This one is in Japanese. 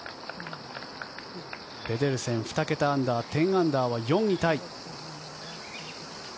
ペデルセン、２桁アンダー１０アンダーは４位タイ。